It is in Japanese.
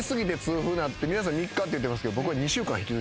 皆さん３日って言ってますけど僕は。